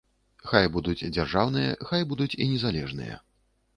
Хай будуць дзяржаўныя, хай будуць і незалежныя.